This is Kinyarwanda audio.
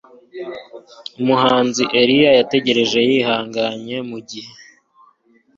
Umuhanzi Eliya yategereje yihanganye mu gihe